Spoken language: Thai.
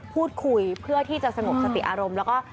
เพื่อที่จะสงบสติอารมณ์แล้วก็